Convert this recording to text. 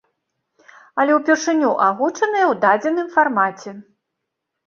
Але ўпершыню агучаная ў дадзеным фармаце.